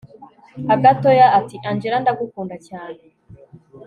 agatoya ati angella ndagukunda cyane